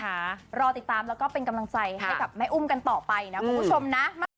รอติดตามแล้วก็เป็นกำลังใจให้กับแม่อุ้มกันต่อไปนะคุณผู้ชมนะ